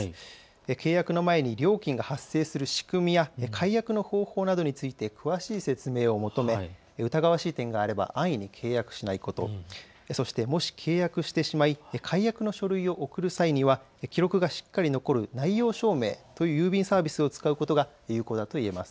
契約の前に料金が発生する仕組みや解約の方法などについて詳しい説明を求め、疑わしい点があれば安易に契約しないこと、そしてもし契約してしまい解約の書類を送る際には記録がしっかり残る内容証明という郵便サービスを使うことが有効だといえます。